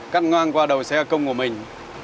cắt ngang qua đầu xe công của mình